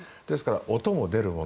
音が出るもの。